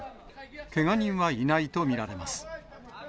けが人はいないと見られます。